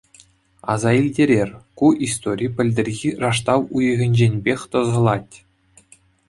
Аса илтерер, ку истори пӗлтӗрхи раштав уйӑхӗнченпех тӑсӑлать.